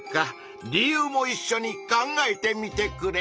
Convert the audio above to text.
理由もいっしょに考えてみてくれ。